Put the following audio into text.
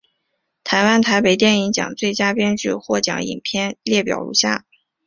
台湾台北电影奖最佳编剧获奖影片列表如下。